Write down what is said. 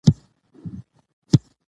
که پوه شو، نو درواغجنو خبرو ته غولېږو.